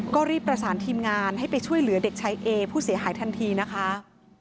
ก็รีบประสานทีมงานให้ไปช่วยเหลือเด็กชายเอผู้เสียหายทันทีนะคะ